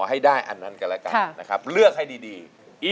ให้ได้อันนั้นกันแล้วกันนะครับเลือกให้ดี